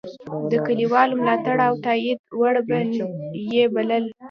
د کلیوالو د ملاتړ او تایید وړ به یې بلل.